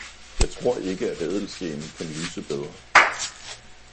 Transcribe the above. jeg tror ikke at ædelstenen kan lyse bedre!